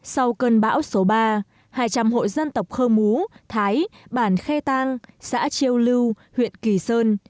sau cơn bão số ba hai trăm linh hộ dân tộc khơ mú thái bản khe tang xã chiêu lưu huyện kỳ sơn